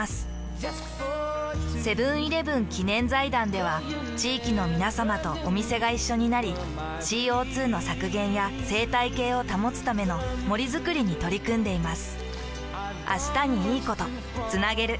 セブンーイレブン記念財団では地域のみなさまとお店が一緒になり ＣＯ２ の削減や生態系を保つための森づくりに取り組んでいます。